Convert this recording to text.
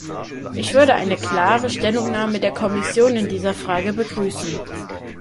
Ich würde eine klare Stellungnahme der Kommission in dieser Frage begrüßen.